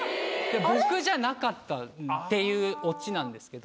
僕じゃなかったっていうオチなんですけど。